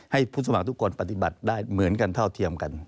ให้ผู้สมัครทุกคนปฏิบัติได้เหมือนกันเท่าเทียมกัน